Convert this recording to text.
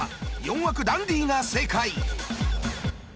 枠ダンディが正解。